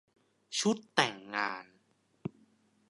ชุดแต่งงาน